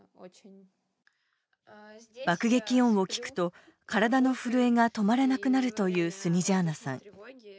爆撃音を聞くと体の震えが止まらなくなるというスニジャーナさん。